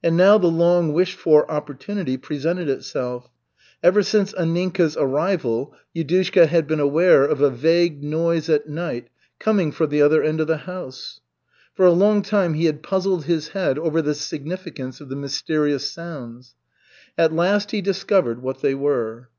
And now the long wished for opportunity presented itself. Ever since Anninka's arrival, Yudushka had been aware of a vague noise at night coming from the other end of the house. For a long time he had puzzled his head over the significance of the mysterious sounds. At last he discovered what they were.